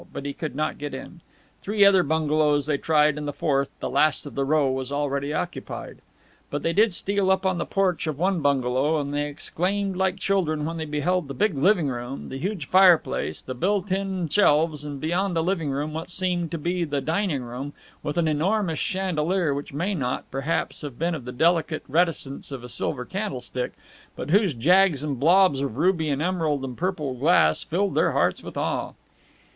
But he could not get in. Three other bungalows they tried, and the fourth, the last of the row, was already occupied. But they did steal up on the porch of one bungalow, and they exclaimed like children when they beheld the big living room, the huge fireplace, the built in shelves and, beyond the living room, what seemed to be the dining room, with an enormous chandelier which may not, perhaps, have been of the delicate reticence of a silver candlestick, but whose jags and blobs of ruby and emerald and purple glass filled their hearts with awe.